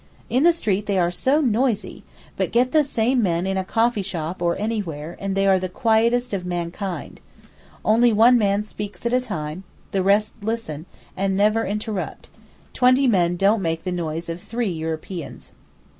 In the street they are so noisy, but get the same men in a coffee shop or anywhere, and they are the quietest of mankind. Only one man speaks at a time, the rest listen, and never interrupt; twenty men don't make the noise of three Europeans.